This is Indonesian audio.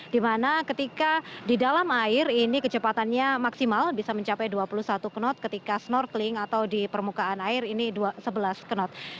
dimana ketika di dalam air ini kecepatannya maksimal bisa mencapai dua puluh satu knot ketika snorkeling atau di permukaan air ini sebelas knot